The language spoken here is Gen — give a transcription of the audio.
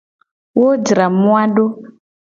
Wo jra moa do.